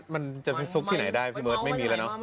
มันจะไปซุกที่ไหนได้พี่เมิสไม่มีแล้ว